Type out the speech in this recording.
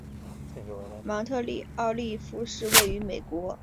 芒特奥利夫是位于美国阿肯色州伊泽德县的一个非建制地区。